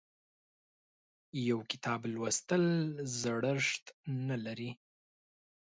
یو کتاب لوستل زړښت نه لري.